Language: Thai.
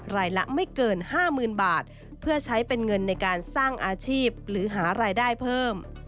รายละไม่เกิน๕๐๐๐บาทเพื่อใช้เป็นเงินในการสร้างอาชีพหรือหารายได้เพิ่ม